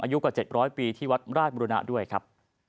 อายุกว่า๗๐๐ปีที่วัดราชบุรณะด้วยครับ